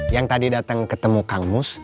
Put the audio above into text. yang tadi datang ketemu kang mus